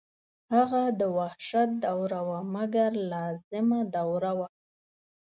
هغه د وحشت دوره وه مګر لازمه دوره وه.